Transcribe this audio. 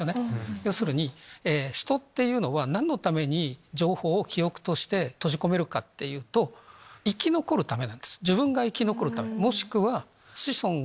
要するに人っていうのは何のために情報を記憶として閉じ込めるかというと生き残るためなんです。